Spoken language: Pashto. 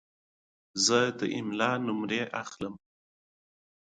زه د املا نمرې اخلم.